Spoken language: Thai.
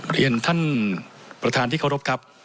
เรียนท่านประธานที่เคารพครับ